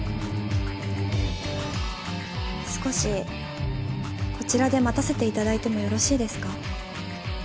少しこちらで待たせていただいてもよろしいですか？